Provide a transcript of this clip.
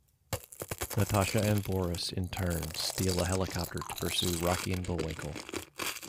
Natasha and Boris in turn steal a helicopter to pursue Rocky and Bullwinkle.